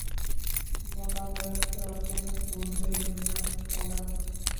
مکان درخت پر اپنا گھونسلے بننا ہونا